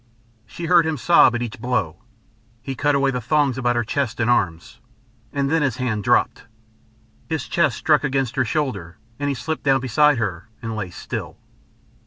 She heard him sob at each blow. He cut away the thongs about her chest and arms, and then his hand dropped. His chest struck against her shoulder and he slipped down beside her and lay still.